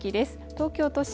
東京都心